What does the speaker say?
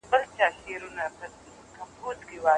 موږ د پښتو د پرمختګ لپاره شپه او ورځ کار کوو.